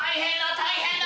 大変だ！